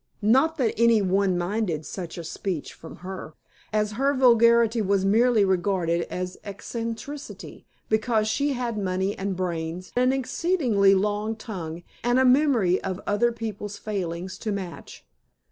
Not that any one minded such a speech from her, as her vulgarity was merely regarded as eccentricity, because she had money and brains, an exceedingly long tongue, and a memory of other people's failings to match.